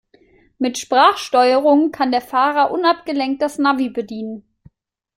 Mit Sprachsteuerung kann der Fahrer unabgelenkt das Navi bedienen.